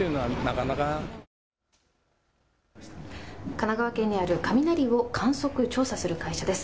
神奈川県にある雷を観測・調査する会社です。